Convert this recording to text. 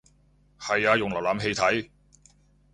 係啊用瀏覽器睇